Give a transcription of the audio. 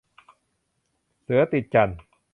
เสือติดจั่น